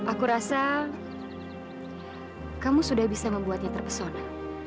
aku rasa kamu sudah bisa membuatnya terpesona